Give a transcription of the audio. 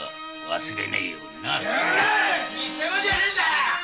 見せ物じゃねえんだ！